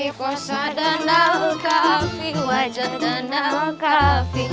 hiposa danau kafi wajah danau kafi